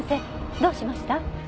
どうしましょう？